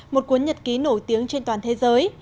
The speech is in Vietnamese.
một cuốn nhật ký nổi tiếng trên toàn thế giới